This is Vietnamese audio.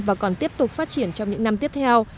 và còn tiếp tục phát triển trong những năm tiếp theo